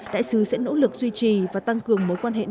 đại sứ sẽ nỗ lực duy trì và tăng cường